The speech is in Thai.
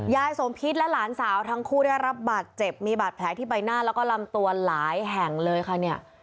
ยายสมพิษและหลานสาวทั้งคู่ได้รับบาดเจ็บมีบาดแผลที่ใบหน้าแล้วก็ลำตัวหลายแห่งเลยค่ะเนี่ย